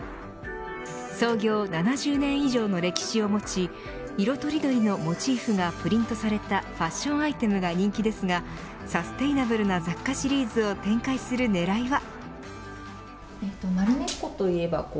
創業７０年以上の歴史を持ち色とりどりのモチーフがプリントされたファッションアイテムが人気ですがサステイナブルな雑貨シリーズを展開する狙いは。